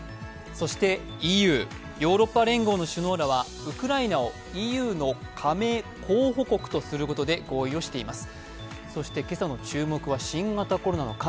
そしてＥＵ＝ヨーロッパ連合の首脳らはウクライナをＥＵの加盟候補国とすることで合意をしています。